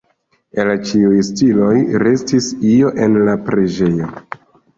El ĉiuj stiloj restis io en la preĝejo.